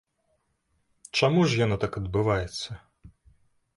Чаму ж яно так адбываецца?